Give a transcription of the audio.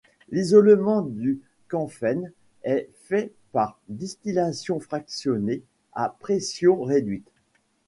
L'isolement du camphène est fait par distillation fractionnée à pression réduite.